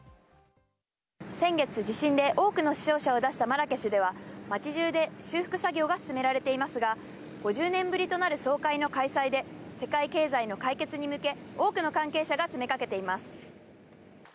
先月、地震で多くの死傷者を出したマラケシュでは町中で修復作業が進められていますが、５０年ぶりとなる総会の開催で、世界経済の解決に向け、多くの関係者が詰めかけています。